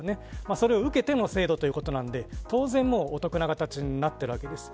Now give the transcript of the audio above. それを受けての制度ということなので当然お得な形になっているわけです。